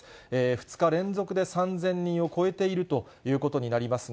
２日連続で３０００人を超えているということになりますが、